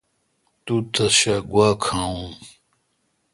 تو تس شا گوا کھاوون۔